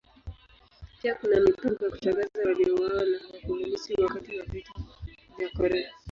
Pia kuna mipango ya kutangaza waliouawa na Wakomunisti wakati wa Vita vya Korea.